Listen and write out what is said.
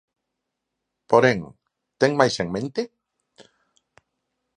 Porén, ten máis en mente?